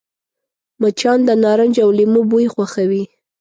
مچان د نارنج او لیمو بوی خوښوي